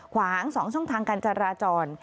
ขวาง๒ช่องทางการจราจร